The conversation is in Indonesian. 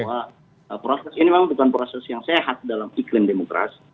bahwa proses ini memang bukan proses yang sehat dalam iklim demokrasi